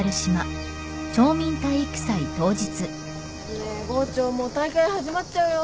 ねえ郷長もう大会始まっちゃうよ。